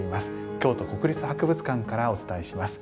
京都国立博物館からお伝えします。